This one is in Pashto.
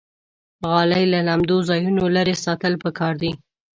غالۍ له لمدو ځایونو لرې ساتل پکار دي.